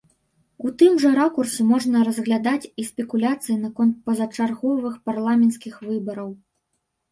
У тым жа ракурсе можна разглядаць і спекуляцыі наконт пазачарговых парламенцкіх выбараў.